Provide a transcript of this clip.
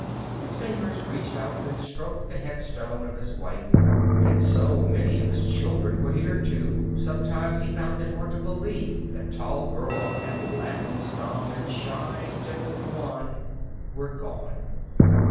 His fingers reached out and stroked the headstone of his wife. And so many of his children were here, too; sometimes he found it hard to believe that tall Gerlaug and laughing Stamm and shy, gentle Huwan were gone.